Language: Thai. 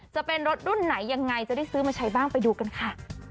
จะเป็นรถรุ่นไหนยังไงจะได้ซื้อมาใช้บ้างไปดูกันค่ะ